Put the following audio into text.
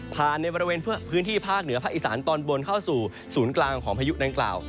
ในบริเวณพื้นที่ภาคเหนือภาคอีสานตอนบนเข้าสู่ศูนย์กลางของพายุดังกล่าว